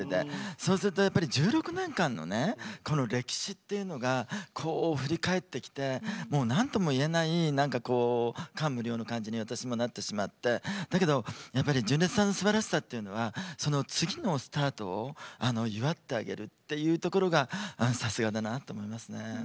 そうすると、やっぱり１６年間の歴史というのが振り返ってきてなんともいえないなんか、感無量の感じに私もなってしまってだけど、純烈さんのすばらしさっていうのは次のスタートを祝ってあげるっていうところがさすがだなと思いますね。